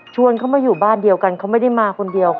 เขามาอยู่บ้านเดียวกันเขาไม่ได้มาคนเดียว